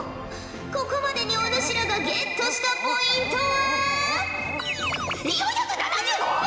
ここまでにお主らがゲットしたポイントは４７５ほぉ！？